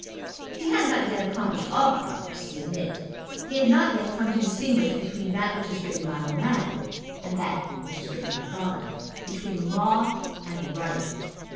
He had not yet accomplished all progress, we admit. He had not yet come to distinguish between that which is written by man and that which is written by God, between law and right.